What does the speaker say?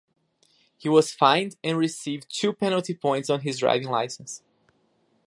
He was fined and received two penalty points on his driving licence.